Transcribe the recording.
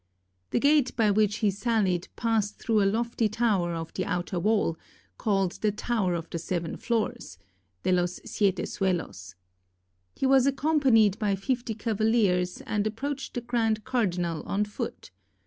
The gate by which he salHed passed through a lofty tower of the outer wall, called the Tower of the Seven Floors {de los siete suelos). He was accompanied by fifty cavaliers, and approached the grand cardinal on foot.